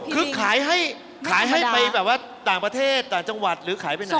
คือขายให้ขายให้ไปแบบว่าต่างประเทศต่างจังหวัดหรือขายไปไหน